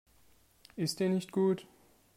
Ist dir nicht gut?